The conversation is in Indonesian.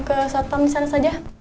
ke satpam di sana saja